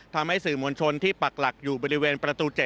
ทำให้สื่อมวลชนที่ปักหลักอยู่บริเวณประตู๗